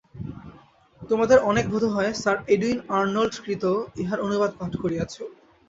তোমাদের অনেকে বোধ হয়, স্যর এডুইন আর্নল্ড-কৃত ইহার অনুবাদ পাঠ করিয়াছ।